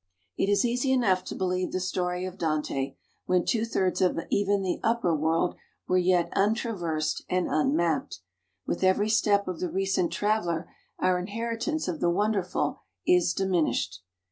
It is easy enough to believe the story of Dante, when two thirds of even the upper world were yet untraversed and unmapped. With every step of the recent traveler our inheritance of the wonderful is diminished."